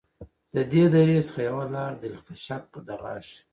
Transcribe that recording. د دې درې څخه یوه لاره دلخشک دغاښي